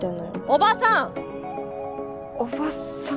おばさん？